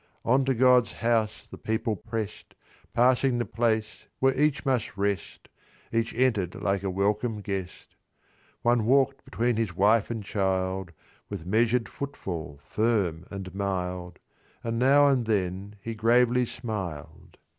On to God's house the people prest: Passing the place where each must rest, Each enter'd like a welcome guest. One walk'd between his wife and child, With measur'd footfall firm and mild, And now and then he gravely smiled.